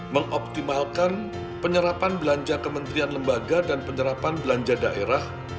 mengoptimalkan penyerapan belanja kementerian lembaga dan penyerapan belanja daerah